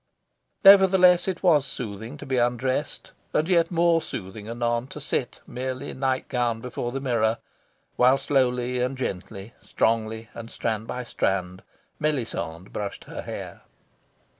Nevertheless, it was soothing to be undressed, and yet more soothing anon to sit merely night gowned before the mirror, while, slowly and gently, strongly and strand by strand, Melisande brushed her hair.